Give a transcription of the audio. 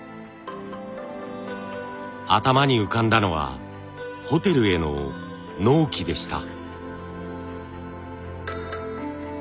頭に浮かんだのはホテルへの納期でした。